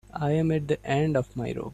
I'm at the end of my rope.